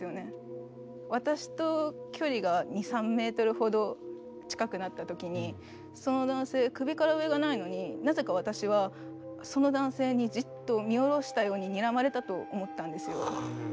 私と距離が２３ｍほど近くなった時にその男性首から上がないのになぜか私はその男性にじっと見下ろしたようににらまれたと思ったんですよ。